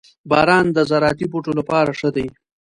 • باران د زراعتي بوټو لپاره ښه دی.